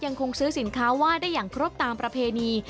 คงซื้อสินค้าว่าได้อย่างครบตามประเพณี